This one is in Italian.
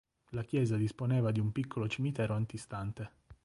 La chiesa disponeva di un piccolo cimitero antistante.